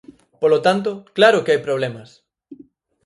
Polo tanto, ¡claro que hai problemas!